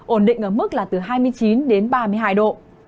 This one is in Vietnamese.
ổn định ở mức là từ hai mươi chín đến ba mươi hai độ